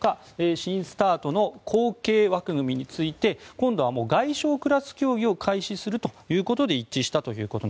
新ＳＴＡＲＴの後継枠組みについて今度は外相クラス協議を開始するということで一致したと。